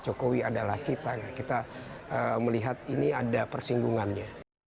jokowi adalah kita kita melihat ini ada persinggungannya